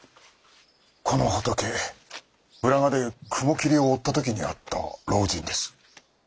この仏浦賀で雲霧を追った時に会った老人です。